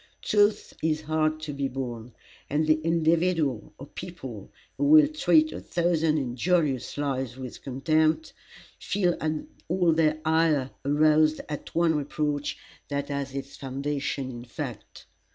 Truth is hard to be borne, and the individual, or people, who will treat a thousand injurious lies with contempt, feel all their ire aroused at one reproach that has its foundation in fact.